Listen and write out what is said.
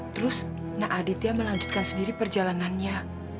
terus na aditya melanjutkan sendiri perjalanannya